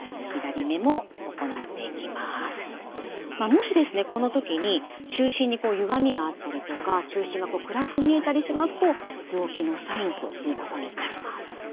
もしこの時に中心にゆがみがあったりとか中心が暗く見えたりしますと病気のサインということになります。